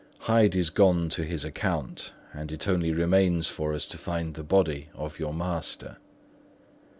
Hyde is gone to his account; and it only remains for us to find the body of your master."